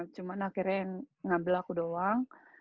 cuma akhirnya yang ngambil aku doang